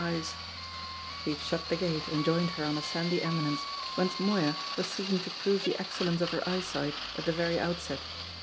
He had shut the gate and joined her on a sandy eminence, whence Moya was seeking to prove the excellence of her eyesight at the very outset.